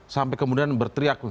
sampai kemudian berteriak